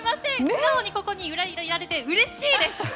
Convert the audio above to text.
素直に、ここに今いられてうれしいです。